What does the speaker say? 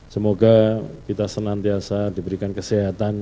semoga kita senantiasa diberikan kesehatan